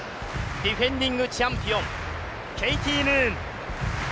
ディフェンディングチャンピオン、ケイティ・ムーン。